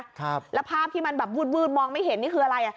ครับแล้วภาพที่มันแบบวืดวืดมองไม่เห็นนี่คืออะไรอ่ะ